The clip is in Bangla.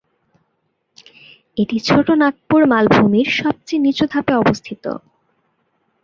এটি ছোটো নাগপুর মালভূমির সবচেয়ে নিচু ধাপে অবস্থিত।